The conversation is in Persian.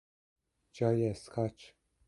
جای اسکاچ